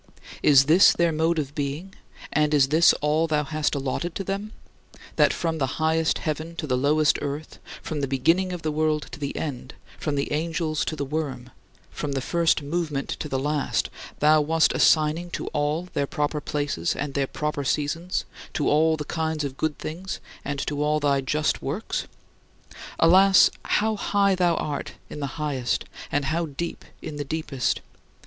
Is this their mode of being and is this all thou hast allotted to them: that, from the highest heaven to the lowest earth, from the beginning of the world to the end, from the angels to the worm, from the first movement to the last, thou wast assigning to all their proper places and their proper seasons to all the kinds of good things and to all thy just works? Alas, how high thou art in the highest and how deep in the deepest!